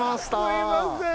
すいません